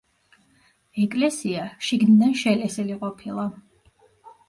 ეკლესია შიგნიდან შელესილი ყოფილა.